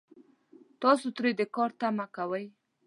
تاسو ترې د کار تمه کوئ